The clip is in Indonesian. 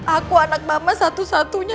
aku anak mama satu satunya